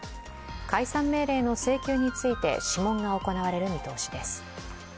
解散命令の請求について諮問が行われる見通しです。